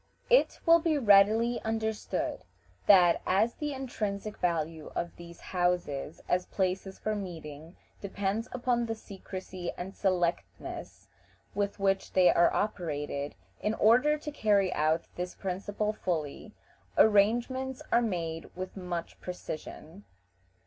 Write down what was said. It will be readily understood that, as the intrinsic value of these houses as places for meeting depends upon the secrecy and selectness with which they are operated, in order to carry out this principle fully, arrangements are made with much precision.